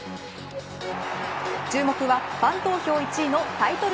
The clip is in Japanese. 注目は、ファン投票１位のタイトル